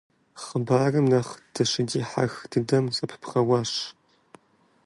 Хъыбарым нэхъ дыщыдихьэх дыдэм зэпыбгъэуащ.